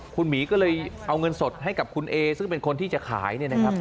คุณหมีก็เลยเอาเงินสดให้กับคุณเอซึ่งเป็นคนที่จะขาย